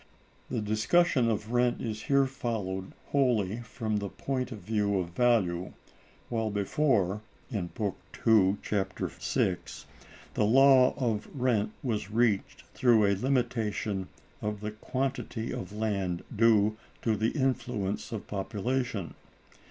The discussion of rent is here followed wholly from the point of view of value, while before (Book II, Chap. VI) the law of rent was reached through a limitation of the quantity of land due to the influence of population.